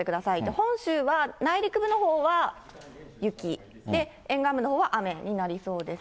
本州は内陸部のほうは雪で、沿岸部のほうは雨になりそうです。